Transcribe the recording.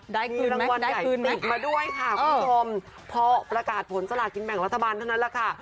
ได้คืนติดมาด้วยค่ะคุณผู้ชมพอประกาศผลสลากินแบ่งรัฐบาลเท่านั้นแหละค่ะ